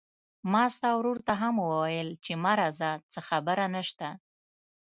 ما ستا ورور ته هم وويل چې ما راځه، څه خبره نشته.